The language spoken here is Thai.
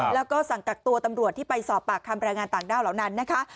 แล้วก็สั่งกักตัวตำรวจที่ไปสอบปากคำแรงงานต่างด้าวเหล่านั้นนะคะ